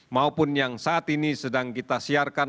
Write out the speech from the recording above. maupun yang saat ini sedang kita siarkan